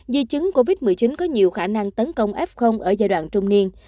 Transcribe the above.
di chứng covid một mươi chín có nhiều khả năng tấn công f ở giai đoạn trung niên